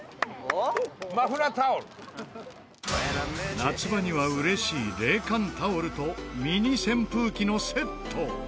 夏場にはうれしい冷感タオルとミニ扇風機のセット。